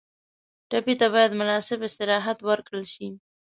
ټپي ته باید مناسب استراحت ورکړل شي.